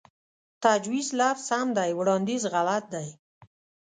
تجويز لفظ سم دے وړانديز غلط دے